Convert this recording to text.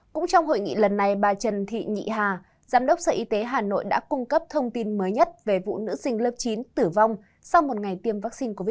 cũng trong hội nghị lần này bà trần thị nhị hà giám đốc sở y tế hà nội đã cung cấp thông tin mới nhất về vụ nữ sinh lớp chín tử vong sau một ngày tiêm vaccine covid một mươi chín